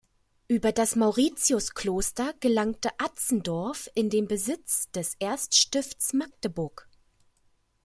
Über das Mauritiuskloster gelangte Atzendorf in den Besitz des Erzstifts Magdeburg.